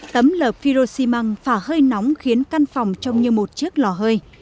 tấm lợp phyroximang phả hơi nóng khiến căn phòng trông như một chiếc lò hơi